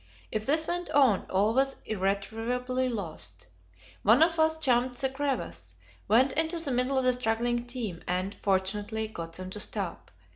If this went on, all was irretrievably lost. One of us jumped the crevasse, went into the middle of the struggling team, and, fortunately, got them to stop.